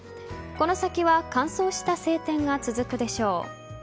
この先は乾燥した晴天が続くでしょう。